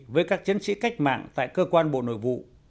với các chiến sĩ cách mạng tại cơ quan bộ nội vụ